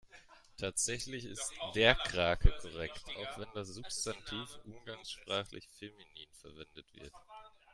Tatsächlich ist "der Krake" korrekt, auch wenn das Substantiv umgangssprachlich feminin verwendet wird.